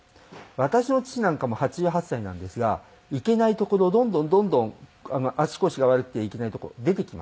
私の父なんかも８８歳なんですが行けない所どんどんどんどん足腰が悪くて行けないとこ出てきます。